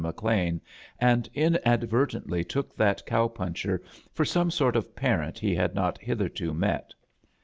McLean, and inadvertently took that cow puncher for some sort of parent he had not hitherto met.